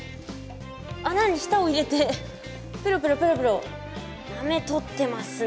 穴に舌を入れてペロペロペロペロなめとってますね。